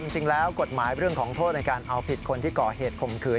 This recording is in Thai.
จริงแล้วกฎหมายเรื่องของโทษในการเอาผิดคนที่ก่อเหตุข่มขืน